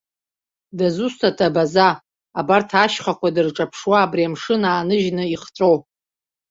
Дызусҭада, абаза, абарҭ ашьхақәа дырҿаԥшуа, абри амшын ааныжьны ихҵәо?!